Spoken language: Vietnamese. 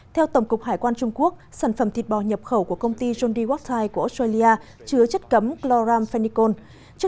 theo tổng cục hải quan trung quốc sản phẩm thịt bò nhập khẩu của công ty john d wachtey của australia